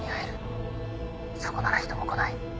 「そこなら人も来ない」